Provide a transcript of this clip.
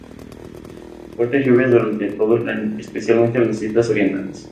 Fuertes lluvias durante todo el año, especialmente en las islas orientales.